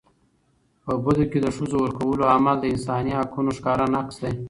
په بدو کي د ښځو ورکولو عمل د انساني حقونو ښکاره نقض دی.